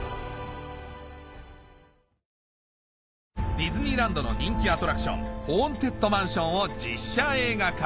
ディズニーランドの人気アトラクションホーンテッドマンションを実写映画化